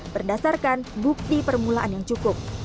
berdasarkan bukti permulaan yang cukup